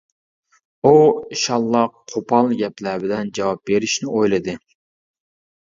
ئۇ شاللاق، قوپال گەپلەر بىلەن جاۋاب بېرىشنى ئويلىدى.